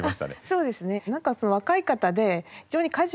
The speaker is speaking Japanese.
そうですね。